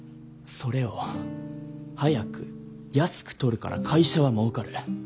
それを速く安く撮るから会社はもうかる。